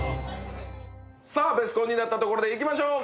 さあベスコンになったところでいきましょう！